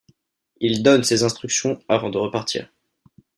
Il donne ses instructions avant de repartir.